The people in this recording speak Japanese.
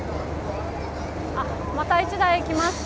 また１台来ました。